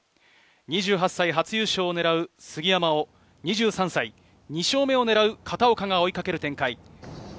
２８歳、初優勝をねらう杉山を２３歳、２勝目を狙う片岡が追いかける展開。